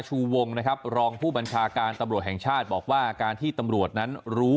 ชูวงนะครับรองผู้บัญชาการตำรวจแห่งชาติบอกว่าการที่ตำรวจนั้นรู้